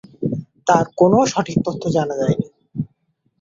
তার কোনো সঠিক তথ্য জানা যায়নি।